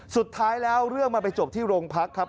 สุดท้ายแล้วเรื่องมันไปจบที่โรงพักครับ